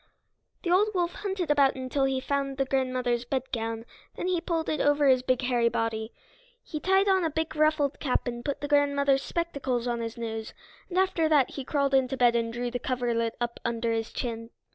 The old wolf hunted about until he found the grandmother's bedgown; then he pulled it on over his big hairy body. He tied on a big ruffled cap and put the grandmother's spectacles on his nose, and after that he crawled into bed and drew the coverlet up under his chin.